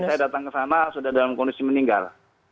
saya datang ke sana sudah dalam kondisi meninggal